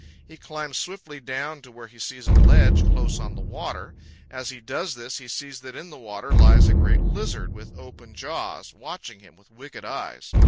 He climbs swiftly down to where he sees a ledge close on the water; as he does this, he sees that in the water lies a great lizard, with open jaws, watching him with wicked eyes.